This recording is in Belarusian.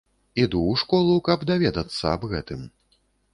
Іду ў школу, каб даведацца аб гэтым.